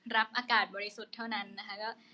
รับอากาศบริสุทธิ์เท่านั้นนะคะ